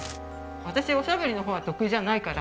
私おしゃべりの方は得意じゃないから。